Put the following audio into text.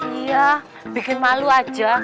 iya bikin malu aja